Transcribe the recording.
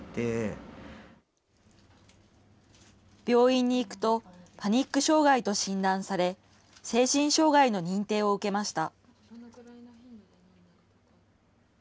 病院に行くとパニック障害と診断され精神障害の認定を受けました。